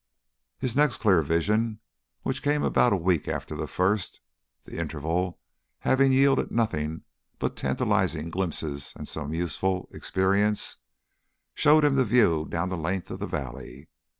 His next clear vision, which came about a week after the first, the interval having yielded nothing but tantalising glimpses and some useful experience, showed him the view down the length of the valley.